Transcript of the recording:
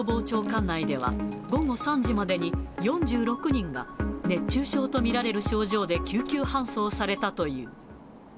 管内では、午後３時までに４６人が、熱中症と見られる症状で救急搬送されたという。